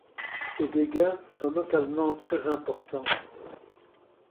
Les dégâts sont localement très importants.